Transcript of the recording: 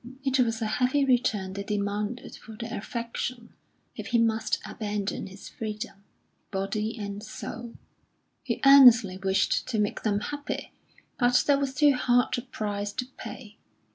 It was a heavy return they demanded for their affection if he must abandon his freedom, body and soul; he earnestly wished to make them happy, but that was too hard a price to pay.